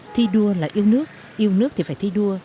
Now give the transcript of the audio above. thi đua là yêu nước yêu nước thì phải thi đua